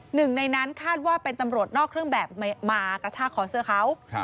หนึ่งในนั้นคาดว่าเป็นตำรวจนอกเครื่องแบบมากระชากคอเสื้อเขา